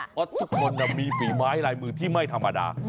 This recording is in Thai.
เพราะทุกคนมีฝีไม้ลายมือที่ไม่ธรรมดา